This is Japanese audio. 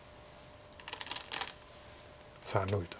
さあノビた。